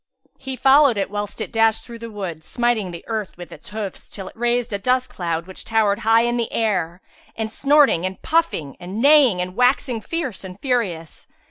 He followed it whilst it dashed through the wood, smiting the earth with its hoofs till it raised a dust cloud which towered high in air; and snorting and puffing and neighing and waxing fierce and furious.